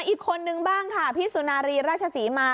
อีกคนนึงบ้างค่ะพี่สุนารีราชศรีมา